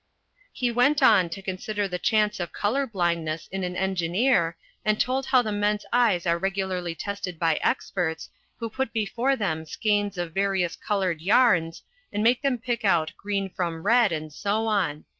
He went on to consider the chance of color blindness in an engineer, and told how the men's eyes are regularly tested by experts, who put before them skeins of various colored yarns, and make them pick out green from red, and so on.